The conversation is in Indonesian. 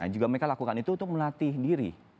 yang juga mereka lakukan itu untuk melatih diri